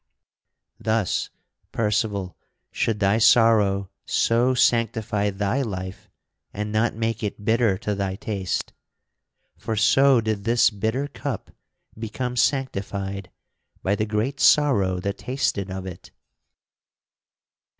Thus, Percival, should thy sorrow so sanctify thy life and not make it bitter to thy taste. For so did this bitter cup become sanctified by the great sorrow that tasted of it."